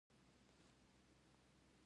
زما په اړه تاسو ناسم مالومات ټول کړي